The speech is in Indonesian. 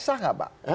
sah nggak pak